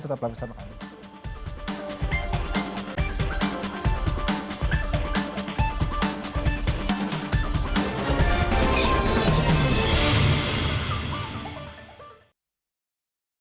tetaplah bersama kami